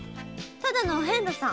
ただのお遍路さん。